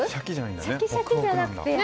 シャキシャキじゃなくて。